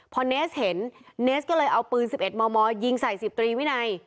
พอเนสเห็นเนสก็เลยเอาปืน๑๑มมยิงใส่๑๐ตรีวินัย